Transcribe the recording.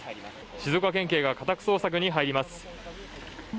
静岡県警が家宅捜索に入ります。